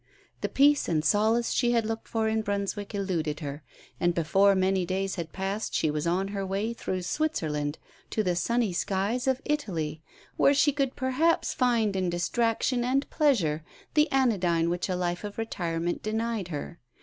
The peace and solace she had looked for in Brunswick eluded her; and before many days had passed she was on her way through Switzerland to the sunny skies of Italy, where she could perhaps find in distraction and pleasure the anodyne which a life of retirement denied her.